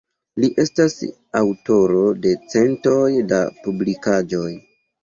Li estas aŭtoro de centoj da publikaĵoj.